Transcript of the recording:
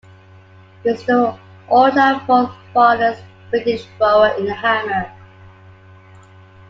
He is the all-time fourth farthest British thrower in the hammer.